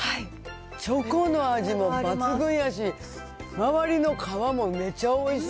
チョコの味も抜群やし、周りの皮もめちゃおいしい。